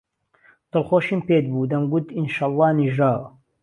دڵخۆشێم پێت بوو دهمگوت ئينشەڵڵا نيژراوه